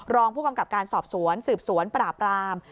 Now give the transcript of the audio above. รองผู้กำกับการสอบสวนสืบสวนปราบราม